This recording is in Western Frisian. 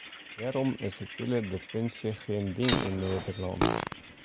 Wêrom is sivile definsje gjin ding yn Nederlân?